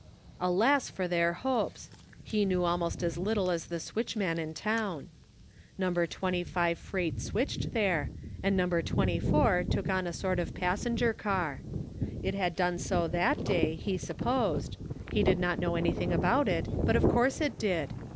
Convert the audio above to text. Alas for their hopes! he knew almost as little as the switchman in town. No. 25 freight switched there, and No. 24 took on a sort of passenger car. It had done so that day, he supposed ; he did not know anything about it, but of course it did.